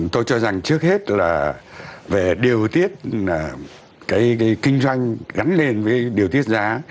tôi cho rằng trước hết là về điều tiết cái kinh doanh gắn liền với điều tiết giá